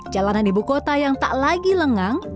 jalanan ibu kota yang tak lagi lengang